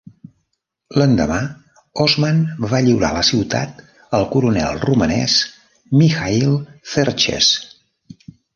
L'endemà, Osman va lliurar la ciutat al coronel romanès Mihail Cerchez.